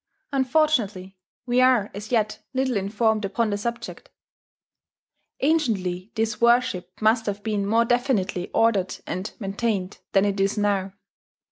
Unfortunately we are as yet little informed upon the subject. Anciently this worship must have been more definitely ordered and maintained than it is now.